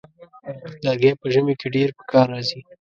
لرګی په ژمي کې ډېر پکار راځي.